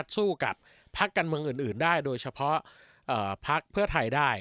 ถูกกับพรรคกันเมืองอื่นได้โดยเฉพาะภาคเพื่อไทยได้